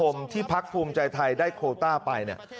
การตั้งเงื่อนไขผู้เข้าประมูลมีความขัดแย้งในส่วนคุณสมบัติดังกล่าวว่า